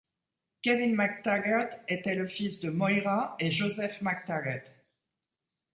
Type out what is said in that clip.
Kevin McTaggert était le fils de Moira et Joseph McTaggert.